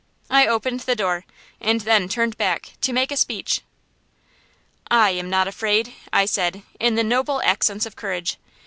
I opened the door, and then turned back, to make a speech. "I am not afraid," I said, in the noble accents of courage.